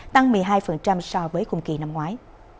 tăng một mươi hai so với cùng kỳ năm ngoái